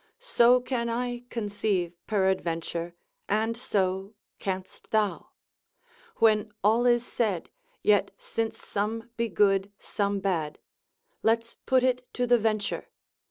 so can I conceive peradventure, and so canst thou: when all is said, yet since some be good, some bad, let's put it to the venture.